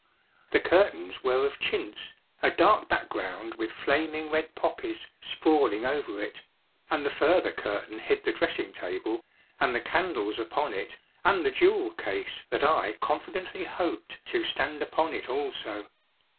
The curtains were of chintz, a dark background with flaming red poppies sprawling over it; and the further curtain hid the dressing table, and the candles upon it and the jewel case that I confidently hoped to stand upon it also.